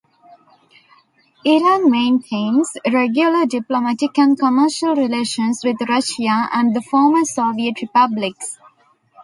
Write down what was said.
Iran maintains regular diplomatic and commercial relations with Russia and the former Soviet Republics.